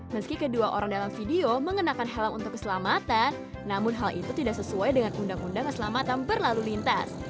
meski kedua orang dalam video mengenakan helm untuk keselamatan namun hal itu tidak sesuai dengan undang undang keselamatan berlalu lintas